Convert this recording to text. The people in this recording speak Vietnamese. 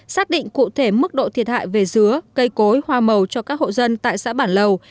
xác định cụ thể mức độ thiệt hại về dứa cây cối hoa màu cho các hộ dân tại xã bản lầu